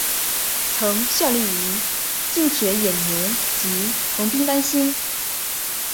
曾效力于近铁野牛及横滨湾星。